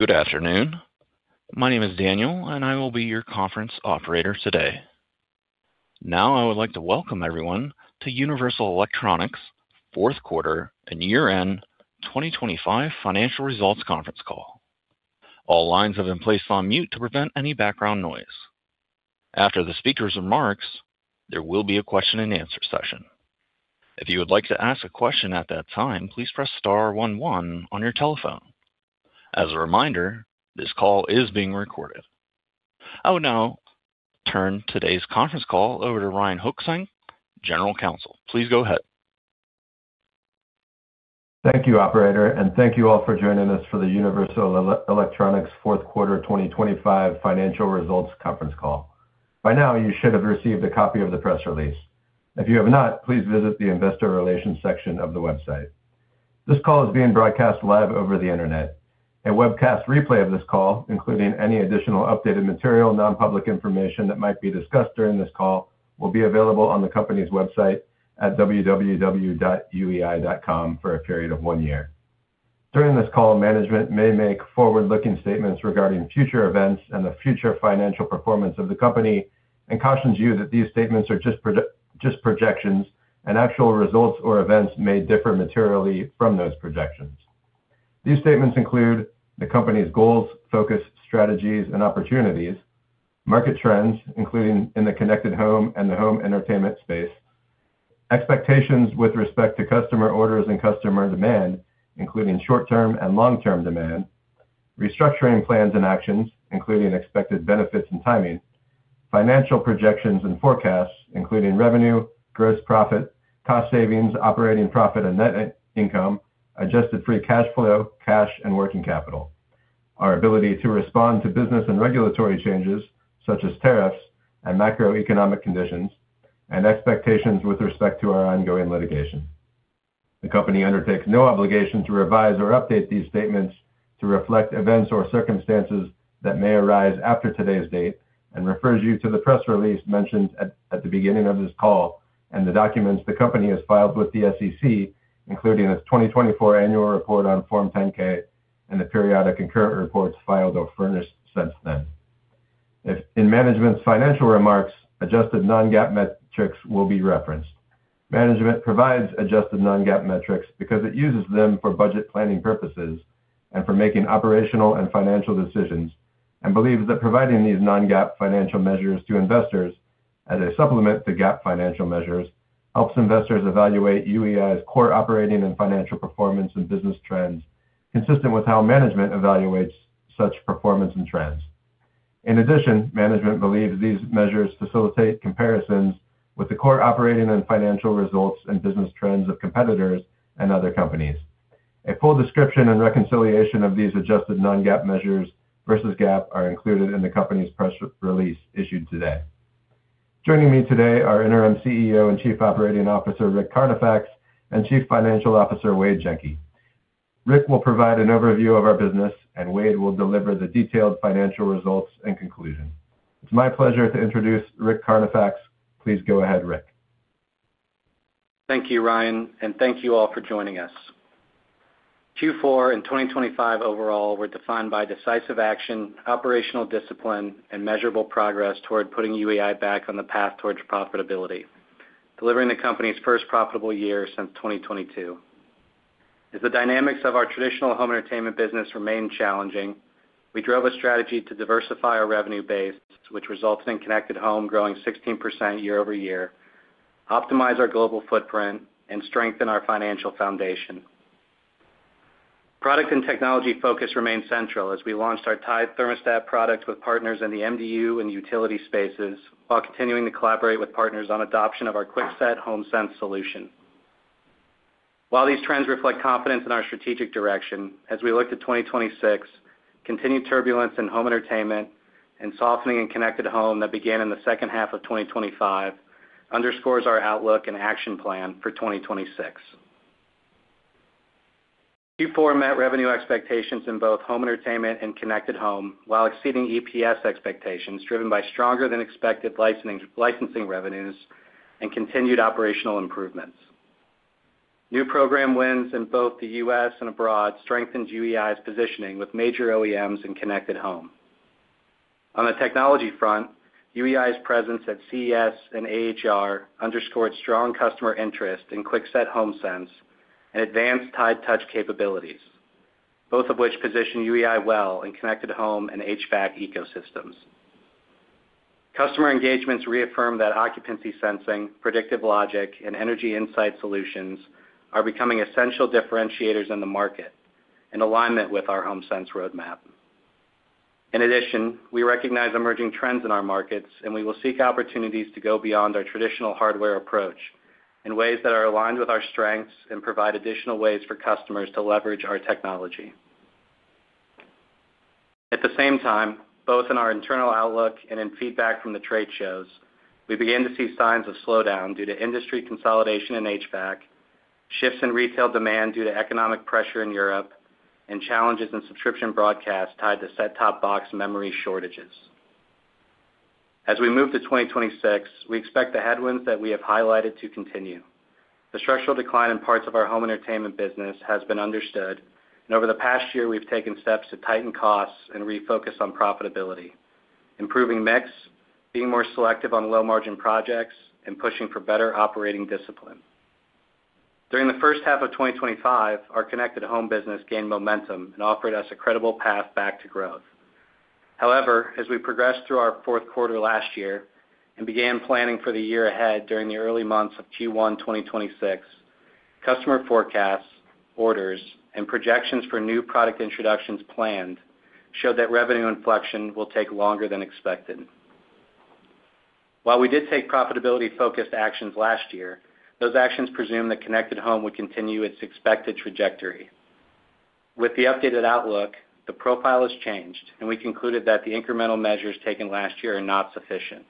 Good afternoon. My name is Daniel, and I will be your conference operator today. Now, I would like to welcome everyone to Universal Electronics fourth quarter and year-end 2025 financial results conference call. All lines have been placed on mute to prevent any background noise. After the speaker's remarks, there will be a question-and-answer session. If you would like to ask a question at that time, please press star-one-one on your telephone. As a reminder, this call is being recorded. I will now turn today's conference call over to Ryan Hochgesang, General Counsel. Please go ahead. Thank you, operator, and thank you all for joining us for the Universal Electronics fourth quarter 2025 financial results conference call. By now, you should have received a copy of the press release. If you have not, please visit the investor relations section of the website. This call is being broadcast live over the Internet. A webcast replay of this call, including any additional updated material, non-public information that might be discussed during this call, will be available on the company's website at www.uei.com for a period of one year. During this call, management may make forward-looking statements regarding future events and the future financial performance of the company and cautions you that these statements are just projections and actual results or events may differ materially from those projections. These statements include the company's goals, focus, strategies and opportunities, market trends, including in the connected home and the home entertainment space, expectations with respect to customer orders and customer demand, including short-term and long-term demand, restructuring plans and actions, including expected benefits and timing, financial projections and forecasts, including revenue, gross profit, cost savings, operating profit and net income, adjusted free cash flow, cash and working capital, our ability to respond to business and regulatory changes such as tariffs and macroeconomic conditions, and expectations with respect to our ongoing litigation. The company undertakes no obligation to revise or update these statements to reflect events or circumstances that may arise after today's date and refers you to the press release mentioned at the beginning of this call and the documents the company has filed with the SEC, including its 2024 annual report on Form 10-K and the periodic and current reports filed or furnished since then. If in management's financial remarks, adjusted non-GAAP metrics will be referenced. Management provides adjusted non-GAAP metrics because it uses them for budget planning purposes and for making operational and financial decisions, and believes that providing these non-GAAP financial measures to investors as a supplement to GAAP financial measures helps investors evaluate UEI's core operating and financial performance and business trends consistent with how management evaluates such performance and trends. In addition, management believes these measures facilitate comparisons with the core operating and financial results and business trends of competitors and other companies. A full description and reconciliation of these adjusted non-GAAP measures versus GAAP are included in the company's press release issued today. Joining me today are Interim CEO and Chief Operating Officer, Rick Carnifax, and Chief Financial Officer, Wade Jenke. Rick will provide an overview of our business, and Wade will deliver the detailed financial results and conclusion. It's my pleasure to introduce Richard Carnifax. Please go ahead, Rick. Thank you, Ryan, and thank you all for joining us. Q4 and 2025 overall were defined by decisive action, operational discipline and measurable progress toward putting UEI back on the path towards profitability, delivering the company's first profitable year since 2022. As the dynamics of our traditional home entertainment business remain challenging, we drove a strategy to diversify our revenue base, which resulted in connected home growing 16% year-over-year, optimize our global footprint and strengthen our financial foundation. Product and technology focus remained central as we launched our TIDE thermostat product with partners in the MDU and utility spaces while continuing to collaborate with partners on adoption of our QuickSet homeSense solution. While these trends reflect confidence in our strategic direction, as we look to 2026, continued turbulence in home entertainment and softening in connected home that began in the second half of 2025 underscores our outlook and action plan for 2026. Q4 met revenue expectations in both home entertainment and connected home, while exceeding EPS expectations driven by stronger than expected licensing revenues and continued operational improvements. New program wins in both the U.S. and abroad strengthened UEI's positioning with major OEMs in connected home. On the technology front, UEI's presence at CES and AHR underscored strong customer interest in QuickSet homeSense and advanced TIDE Touch capabilities, both of which position UEI well in connected home and HVAC ecosystems. Customer engagements reaffirm that occupancy sensing, predictive logic, and energy insight solutions are becoming essential differentiators in the market in alignment with our homeSense roadmap. In addition, we recognize emerging trends in our markets, and we will seek opportunities to go beyond our traditional hardware approach in ways that are aligned with our strengths and provide additional ways for customers to leverage our technology. At the same time, both in our internal outlook and in feedback from the trade shows, we began to see signs of slowdown due to industry consolidation in HVAC, shifts in retail demand due to economic pressure in Europe, and challenges in subscription broadcast tied to set-top box memory shortages. As we move to 2026, we expect the headwinds that we have highlighted to continue. The structural decline in parts of our home entertainment business has been understood. Over the past year, we've taken steps to tighten costs and refocus on profitability, improving mix, being more selective on low-margin projects, and pushing for better operating discipline. During the first half of 2025, our Connected Home business gained momentum and offered us a credible path back to growth. However, as we progressed through our fourth quarter last year and began planning for the year ahead during the early months of Q1 2026, customer forecasts, orders, and projections for new product introductions planned showed that revenue inflection will take longer than expected. While we did take profitability-focused actions last year, those actions presumed that Connected Home would continue its expected trajectory. With the updated outlook, the profile has changed, and we concluded that the incremental measures taken last year are not sufficient.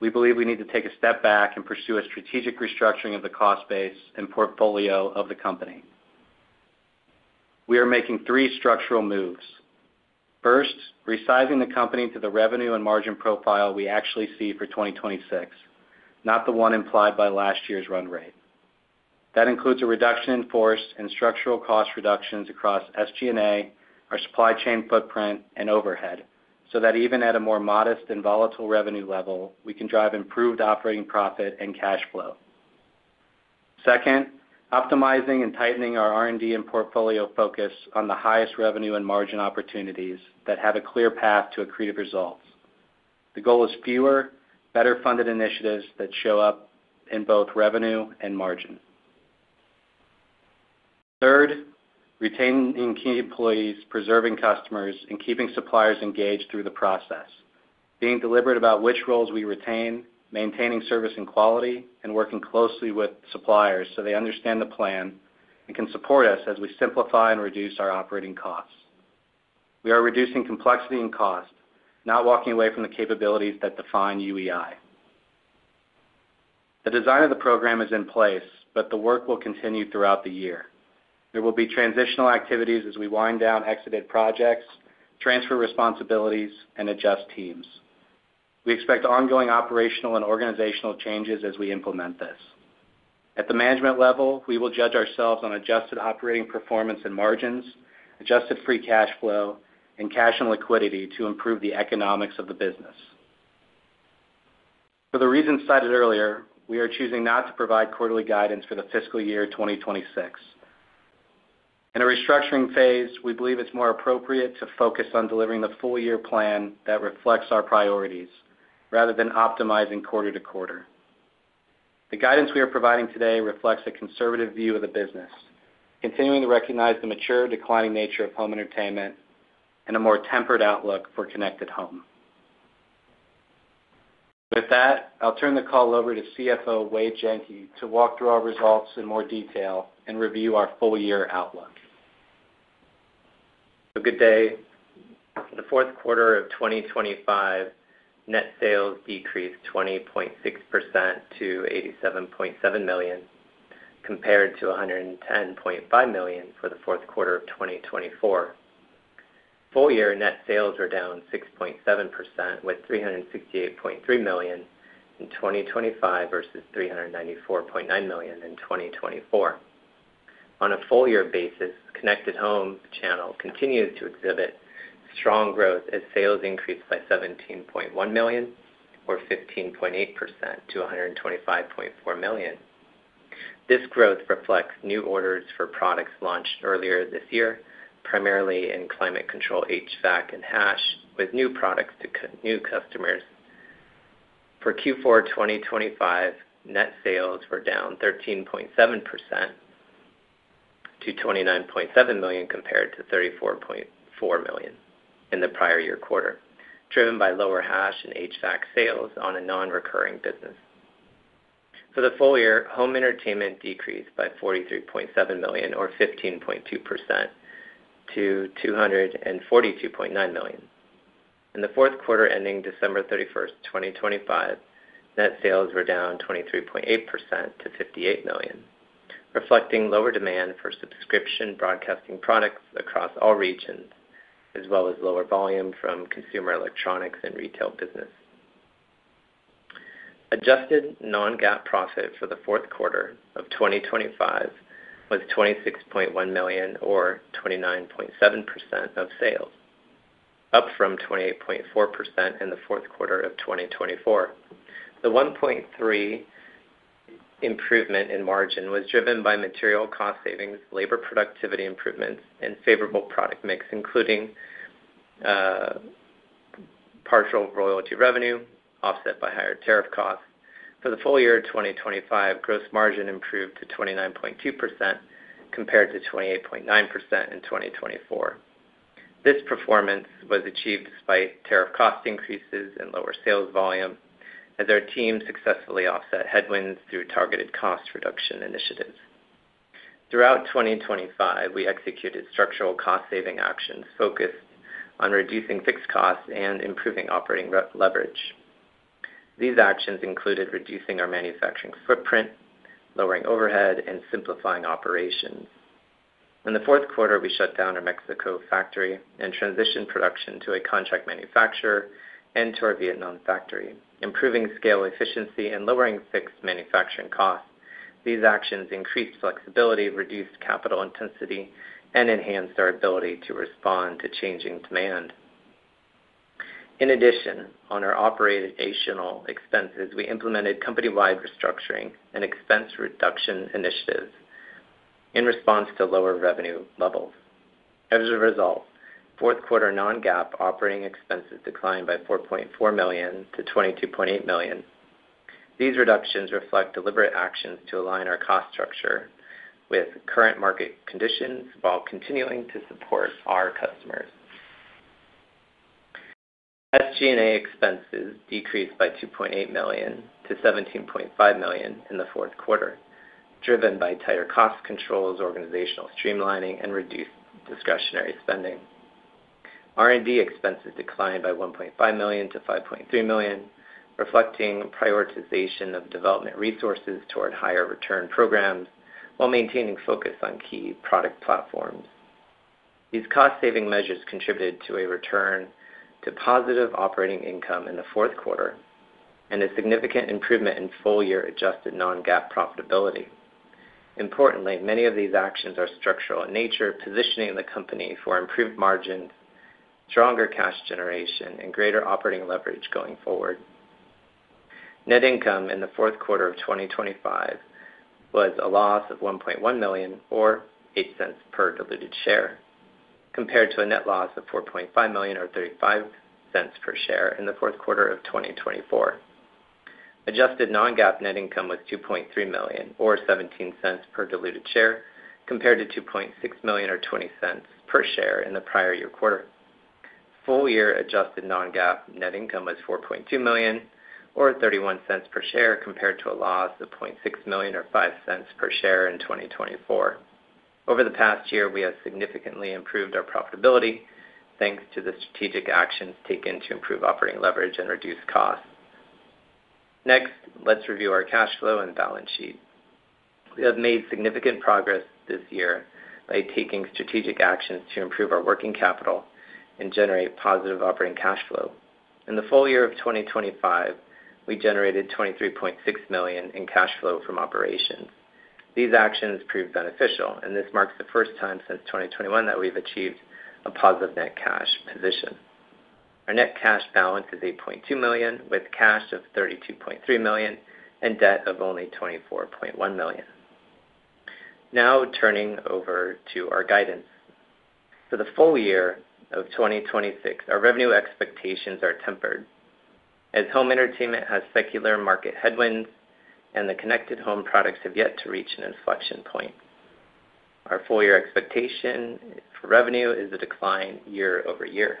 We believe we need to take a step back and pursue a strategic restructuring of the cost base and portfolio of the company. We are making three structural moves. First, resizing the company to the revenue and margin profile we actually see for 2026, not the one implied by last year's run rate. That includes a reduction in force and structural cost reductions across SG&A, our supply chain footprint, and overhead, so that even at a more modest and volatile revenue level, we can drive improved operating profit and cash flow. Second, optimizing and tightening our R&D and portfolio focus on the highest revenue and margin opportunities that have a clear path to accretive results. The goal is fewer, better-funded initiatives that show up in both revenue and margin. Third, retaining key employees, preserving customers, and keeping suppliers engaged through the process. Being deliberate about which roles we retain, maintaining service and quality, and working closely with suppliers so they understand the plan and can support us as we simplify and reduce our operating costs. We are reducing complexity and cost, not walking away from the capabilities that define UEI. The design of the program is in place, but the work will continue throughout the year. There will be transitional activities as we wind down exited projects, transfer responsibilities, and adjust teams. We expect ongoing operational and organizational changes as we implement this. At the management level, we will judge ourselves on adjusted operating performance and margins, adjusted free cash flow, and cash and liquidity to improve the economics of the business. For the reasons cited earlier, we are choosing not to provide quarterly guidance for the fiscal year 2026. In a restructuring phase, we believe it's more appropriate to focus on delivering the full-year plan that reflects our priorities rather than optimizing quarter to quarter. The guidance we are providing today reflects a conservative view of the business, continuing to recognize the mature, declining nature of home entertainment and a more tempered outlook for Connected Home. With that, I'll turn the call over to CFO Wade Jenke to walk through our results in more detail and review our full-year outlook. Good day. In the fourth quarter of 2025, net sales decreased 20.6% to $87.7 million, compared to $110.5 million for the fourth quarter of 2024. Full year net sales were down 6.7%, with $368.3 million in 2025 versus $394.9 million in 2024. On a full year basis, Connected Home channel continued to exhibit strong growth as sales increased by $17.1 million, or 15.8% to $125.4 million. This growth reflects new orders for products launched earlier this year, primarily in climate control and HVAC and HASH, with new products to new customers. For Q4 2025, net sales were down 13.7% to $29.7 million, compared to $34.4 million in the prior year quarter, driven by lower HASH and HVAC sales on a non-recurring business. For the full year, home entertainment decreased by $43.7 million or 15.2% to $242.9 million. In the fourth quarter ending December 31st, 2025, net sales were down 23.8% to $58 million, reflecting lower demand for subscription broadcasting products across all regions, as well as lower volume from consumer electronics and retail business. Adjusted non-GAAP profit for the fourth quarter of 2025 was $26.1 million or 29.7% of sales, up from 28.4% in the fourth quarter of 2024. The 1.3% improvement in margin was driven by material cost savings, labor productivity improvements, and favorable product mix, including partial royalty revenue offset by higher tariff costs. For the full year of 2025, gross margin improved to 29.2% compared to 28.9% in 2024. This performance was achieved despite tariff cost increases and lower sales volume as our team successfully offset headwinds through targeted cost reduction initiatives. Throughout 2025, we executed structural cost-saving actions focused on reducing fixed costs and improving operating leverage. These actions included reducing our manufacturing footprint, lowering overhead, and simplifying operations. In the fourth quarter, we shut down our Mexico factory and transitioned production to a contract manufacturer and to our Vietnam factory, improving scale efficiency and lowering fixed manufacturing costs. These actions increased flexibility, reduced capital intensity, and enhanced our ability to respond to changing demand. In addition, on our operational expenses, we implemented company-wide restructuring and expense reduction initiatives in response to lower revenue levels. As a result, fourth quarter non-GAAP operating expenses declined by $4.4 million to $22.8 million. These reductions reflect deliberate actions to align our cost structure with current market conditions while continuing to support our customers. SG&A expenses decreased by $2.8 million to $17.5 million in the fourth quarter, driven by tighter cost controls, organizational streamlining and reduced discretionary spending. R&D expenses declined by $1.5 million to $5.3 million, reflecting prioritization of development resources toward higher return programs while maintaining focus on key product platforms. These cost-saving measures contributed to a return to positive operating income in the fourth quarter and a significant improvement in full-year adjusted non-GAAP profitability. Importantly, many of these actions are structural in nature, positioning the company for improved margins, stronger cash generation, and greater operating leverage going forward. Net income in the fourth quarter of 2025 was a loss of $1.1 million, or $0.08 per diluted share, compared to a net loss of $4.5 million, or $0.35 per share in the fourth quarter of 2024. Adjusted non-GAAP net income was $2.3 million, or $0.17 per diluted share, compared to $2.6 million, or $0.20 per share in the prior year quarter. Full-year adjusted non-GAAP net income was $4.2 million or $0.31 per share, compared to a loss of $0.6 million or $0.05 per share in 2024. Over the past year, we have significantly improved our profitability, thanks to the strategic actions taken to improve operating leverage and reduce costs. Next, let's review our cash flow and balance sheet. We have made significant progress this year by taking strategic actions to improve our working capital and generate positive operating cash flow. In the full year of 2025, we generated $23.6 million in cash flow from operations. These actions proved beneficial, and this marks the first time since 2021 that we've achieved a positive net cash position. Our net cash balance is $8.2 million, with cash of $32.3 million and debt of only $24.1 million. Now turning over to our guidance. For the full year of 2026, our revenue expectations are tempered as home entertainment has secular market headwinds and the connected home products have yet to reach an inflection point. Our full year expectation for revenue is a decline year-over-year.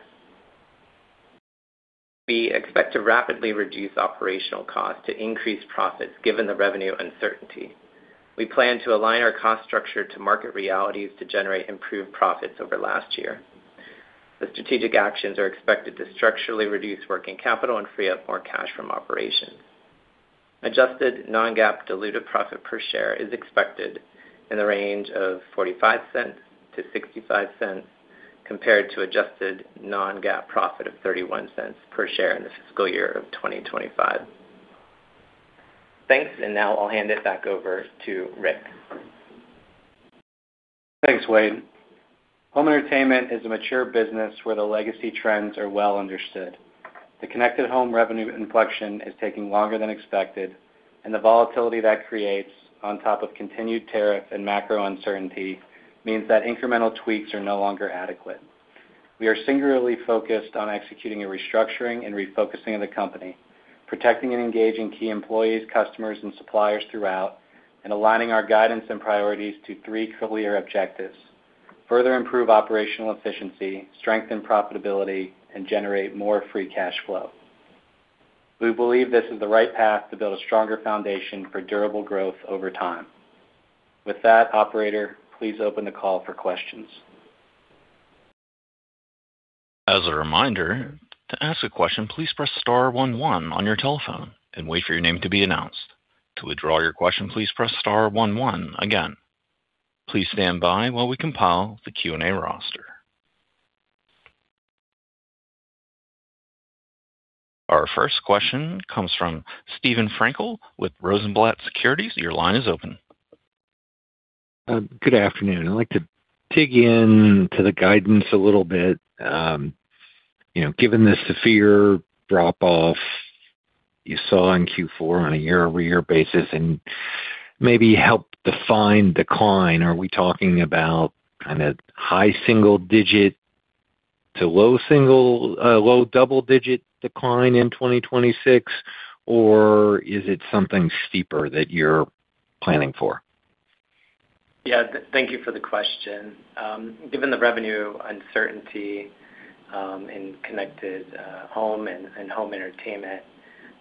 We expect to rapidly reduce operational costs to increase profits given the revenue uncertainty. We plan to align our cost structure to market realities to generate improved profits over last year. The strategic actions are expected to structurally reduce working capital and free up more cash from operations. Adjusted non-GAAP diluted profit per share is expected in the range of $0.45-$0.65, compared to adjusted non-GAAP profit of $0.31 per share in the fiscal year of 2025. Thanks. Now I'll hand it back over to Rick. Thanks, Wade. Home entertainment is a mature business where the legacy trends are well understood. The connected home revenue inflection is taking longer than expected, and the volatility that creates on top of continued tariff and macro uncertainty means that incremental tweaks are no longer adequate. We are singularly focused on executing a restructuring and refocusing of the company, protecting and engaging key employees, customers, and suppliers throughout, and aligning our guidance and priorities to three clear objectives. Further improve operational efficiency, strengthen profitability, and generate more free cash flow. We believe this is the right path to build a stronger foundation for durable growth over time. With that, operator, please open the call for questions. As a reminder, to ask a question, please press star-one-one on your telephone and wait for your name to be announced. To withdraw your question, please press star-one-one again. Please stand by while we compile the Q&A roster. Our first question comes from Steven Frankel with Rosenblatt Securities. Your line is open. Good afternoon. I'd like to dig in to the guidance a little bit, you know, given the severe drop-off you saw in Q4 on a year-over-year basis, and maybe help define decline. Are we talking about kind of high single digit to low double-digit decline in 2026, or is it something steeper that you're planning for? Yeah. Thank you for the question. Given the revenue uncertainty in connected home and home entertainment,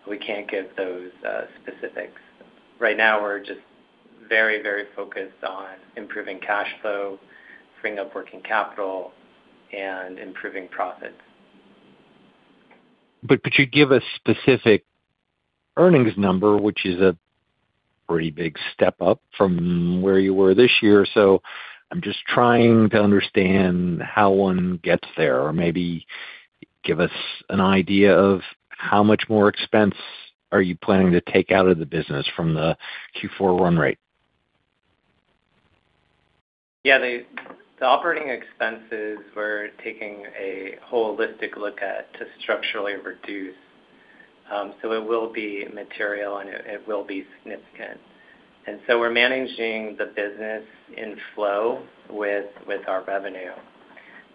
we can't give those specifics. Right now, we're just very focused on improving cash flow, freeing up working capital, and improving profits. You give a specific earnings number, which is a pretty big step up from where you were this year. I'm just trying to understand how one gets there or maybe give us an idea of how much more expense are you planning to take out of the business from the Q4 run rate? Yeah. The operating expenses we're taking a holistic look at to structurally reduce. So it will be material and it will be significant. We're managing the business in flow with our revenue.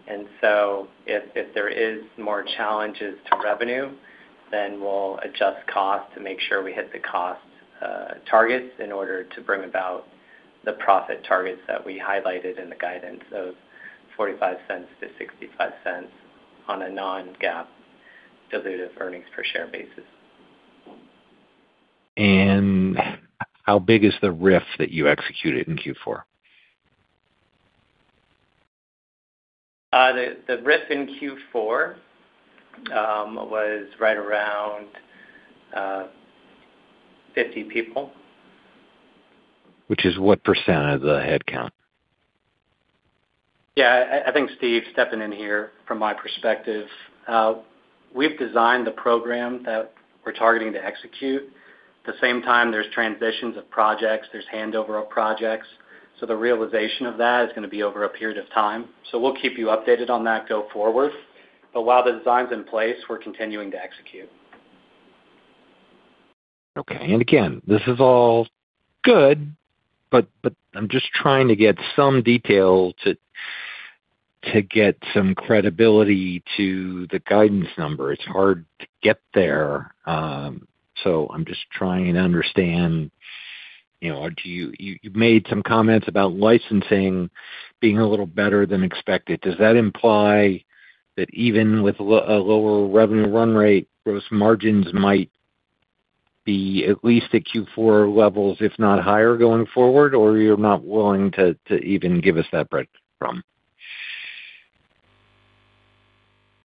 If there is more challenges to revenue, then we'll adjust costs to make sure we hit the cost targets in order to bring about the profit targets that we highlighted in the guidance of $0.45-$0.65 on a non-GAAP diluted earnings per share basis. How big is the RIF that you executed in Q4? The RIF in Q4 was right around 50 people. Which is what % of the headcount? Yeah. I think Steven stepping in here from my perspective, we've designed the program that we're targeting to execute. At the same time, there's transitions of projects, there's handover of projects, so the realization of that is going to be over a period of time. We'll keep you updated on that go forward. While the design's in place, we're continuing to execute. Okay. Again, this is all good, but I'm just trying to get some detail to get some credibility to the guidance number. It's hard to get there. I'm just trying to understand, you know, you made some comments about licensing being a little better than expected. Does that imply that even with a lower revenue run rate, gross margins might be at least at Q4 levels, if not higher, going forward or you're not willing to even give us that breadcrumb?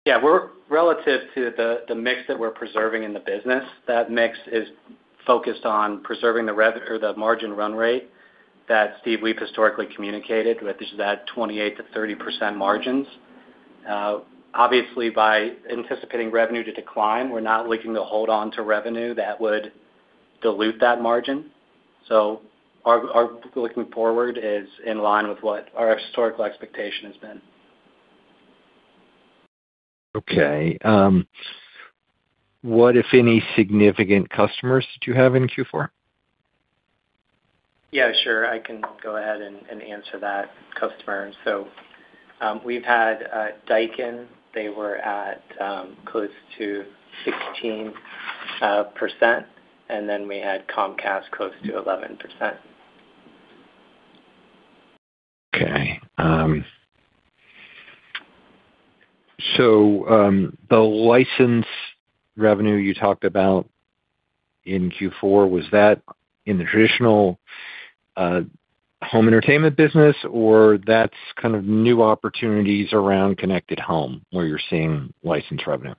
Yeah. Relative to the mix that we're preserving in the business, that mix is focused on preserving the rev or the margin run rate that, Steve, we've historically communicated with is that 28%-30% margins. Obviously by anticipating revenue to decline, we're not looking to hold on to revenue that would dilute that margin. Our looking forward is in line with what our historical expectation has been. Okay. What, if any, significant customers did you have in Q4? Yeah, sure. I can go ahead and answer that customer. We've had Daikin, they were at close to 16%, and then we had Comcast close to 11%. Okay. The license revenue you talked about in Q4, was that in the traditional home entertainment business or that's kind of new opportunities around connected home where you're seeing license revenue?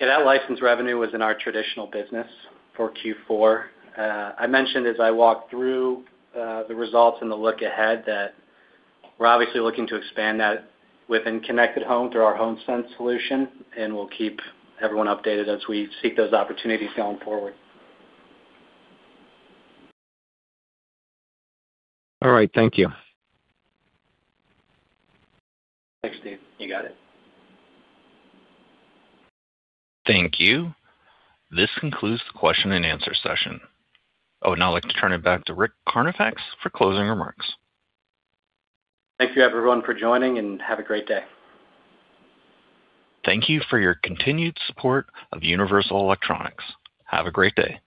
Yeah, that license revenue was in our traditional business for Q4. I mentioned as I walked through the results and the look ahead that we're obviously looking to expand that within connected home through our homeSense solution, and we'll keep everyone updated as we seek those opportunities going forward. All right. Thank you. Thanks, Steve. You got it. Thank you. This concludes the question-and-answer session. I would now like to turn it back to Rick Carnifax for closing remarks. Thank you everyone for joining, and have a great day. Thank you for your continued support of Universal Electronics. Have a great day.